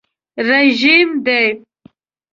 رژیم دی.